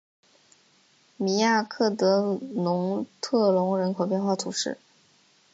米亚克德农特龙人口变化图示